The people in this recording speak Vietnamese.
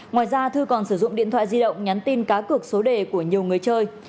ngoài ra thư còn sử dụng điện thoại di động nhắn tin cá cược số đề của nhiều người chơi